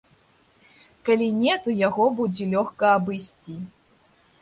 Калі не, то яго будзе лёгка абысці.